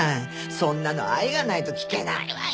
そんなの愛がないと聞けないわよ。